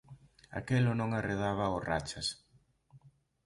Aquelo non arredaba ó Rachas.